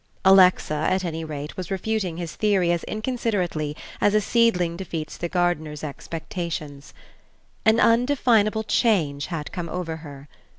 Alexa, at any rate, was refuting his theory as inconsiderately as a seedling defeats the gardener's expectations. An undefinable change had come over her.